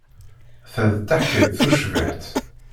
Ta d taḥkayt tucbiḥt.